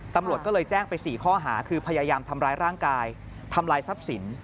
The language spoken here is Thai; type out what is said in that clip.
ตำรวจก็เลยแจ้งไป๔ข้อหาคือพยายามทำร้ายร่างกายทำลายทรัพย์สิน